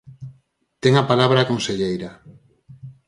Ten a palabra a conselleira.